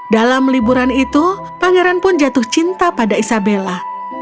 dalam liburan itu pangeran pun jatuh cinta pada isabella